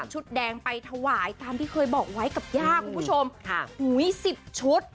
ชุดแดงไปถวายตามที่เคยบอกไว้กับย่าคุณผู้ชมค่ะอุ้ยสิบชุด